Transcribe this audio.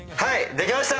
できました！